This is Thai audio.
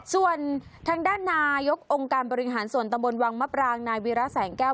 ส่วนทางด้านนายกองค์การบริหารส่วนตำบลวังมะปรางนายวีระแสงแก้ว